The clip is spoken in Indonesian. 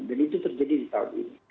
dan itu terjadi di tahun ini